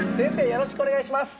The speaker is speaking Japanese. よろしくお願いします！